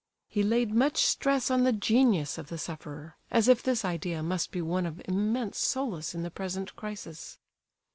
He laid much stress on the genius of the sufferer, as if this idea must be one of immense solace in the present crisis.